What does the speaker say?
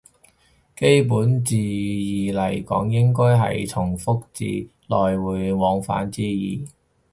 基本字義嚟講應該係從復字，來回往返之意